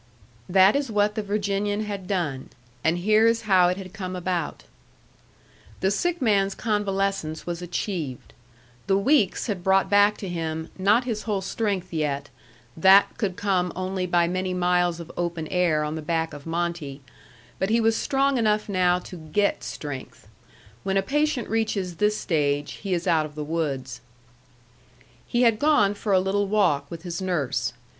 That is what the Virginian had done, and here is how it had come about. The sick man's convalescence was achieved. The weeks had brought back to him, not his whole strength yet that could come only by many miles of open air on the back of Monte; but he was strong enough now to GET strength. When a patient reaches this stage, he is out of the woods. He had gone for a little walk with his nurse.